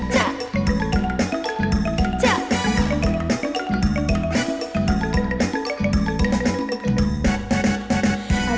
จะ